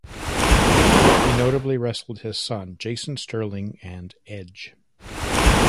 He notably wrestled his son Jason Sterling and Edge.